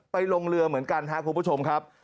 ลงเรือเหมือนกันครับคุณผู้ชมครับ